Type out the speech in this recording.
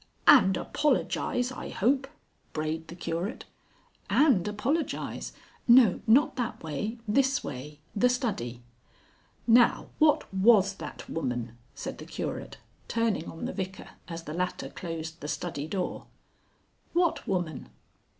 "And apologise, I hope," brayed the Curate. "And apologise. No, not that way. This way. The study." "Now what was that woman?" said the Curate, turning on the Vicar as the latter closed the study door. "What woman?"